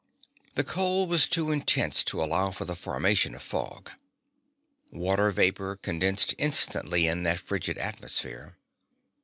The cold was too intense to allow of the formation of fog. Water vapor condensed instantly in that frigid atmosphere.